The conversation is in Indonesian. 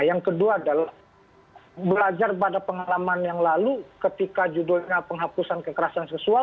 yang kedua adalah belajar pada pengalaman yang lalu ketika judulnya penghapusan kekerasan seksual